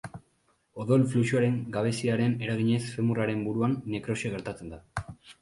Odol fluxuaren gabeziaren eraginez femurraren buruan nekrosia gertatzen da.